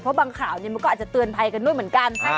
เพราะบางข่าวมันก็อาจจะเตือนภัยกันด้วยเหมือนกัน